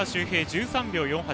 １３秒４８。